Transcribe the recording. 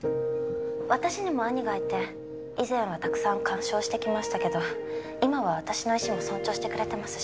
私にも兄がいて以前はたくさん干渉してきましたけど今は私の意思も尊重してくれていますし。